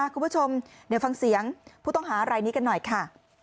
คุณผู้ชมเดี๋ยวฟังเสียงผู้ต้องหารายนี้กันหน่อยค่ะ